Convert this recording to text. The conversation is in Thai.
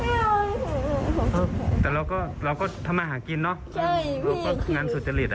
วันนี้แบบมีรายการลูกค้ามาซื้อเสร็จ